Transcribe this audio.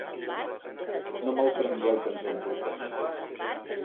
No malprengueu que ens ho emportem.